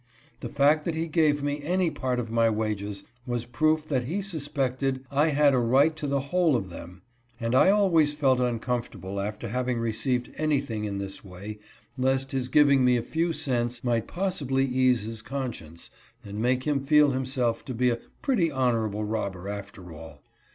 The fact that he gave me any part of my wages, was proof that he suspected I had a right to the whole of them ; and I always felt uncomfortable after having received anything in this w£fy, lest his giving me a few cents might possibly ease his conscience, and make him feel himself to be a pretty honorable robber after all.